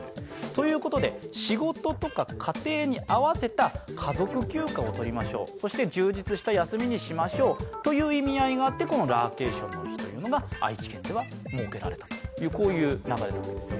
ということで仕事とか家庭に合わせた家族休暇を取りましょう、そして充実した休みにしましょうという意味合いがあってこのラーケーションの日というものが愛知県では設けられたという流れです。